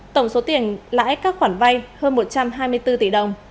tổng số tiền lãi các khoản vai hơn một trăm linh